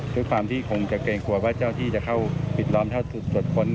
หรือความที่คงจะเกรงกวนว่าเจ้าที่จะเข้าปิดล้อมถ้าถูกสดฝน